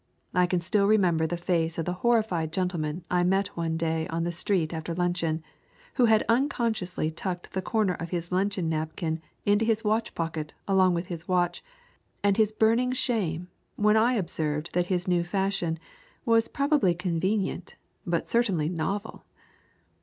I can still remember the face of the horrified gentleman I met one day on the street after luncheon, who had unconsciously tucked the corner of his luncheon napkin into his watch pocket along with his watch, and his burning shame when I observed that his new fashion was probably convenient but certainly novel.